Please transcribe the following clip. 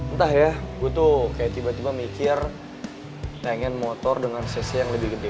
entah ya gue tuh kayak tiba tiba mikir pengen motor dengan cc yang lebih gede